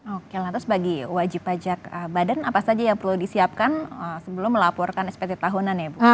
oke lantas bagi wajib pajak badan apa saja yang perlu disiapkan sebelum melaporkan spt tahunan ya bu